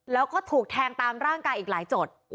แล้วก็ถูกแทงตามร่างกายอีกหลายจุด